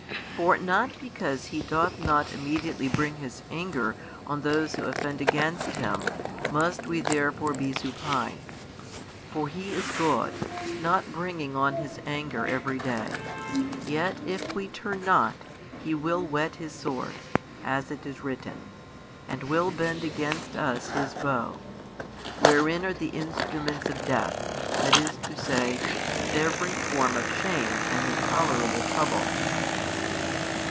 For not because He doth not immediately bring His Anger on those who offend against Him, must we therefore be supine. For He is Good, not bringing on His Anger every day, yet if we turn not, He will whet His sword, as it is written, and will bend against us His Bow, wherein are the instruments of death, that is to say, every form of shame and intolerable trouble.